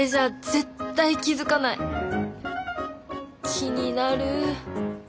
気になる。